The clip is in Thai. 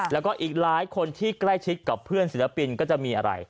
แล้วก็อีกหลายคนที่ใกล้ชิดกับเพื่อนศิลปินก็จะมีอะไร